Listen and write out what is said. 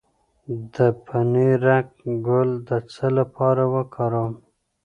د پنیرک ګل د څه لپاره وکاروم؟